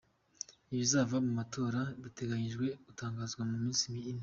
Ibizava mu matora bitegerejwe gutangazwa mu minsi ine.